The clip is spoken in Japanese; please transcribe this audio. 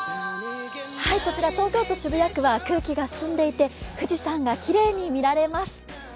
こちら、東京都渋谷区は空気が澄んでいて富士山がきれいに見られます。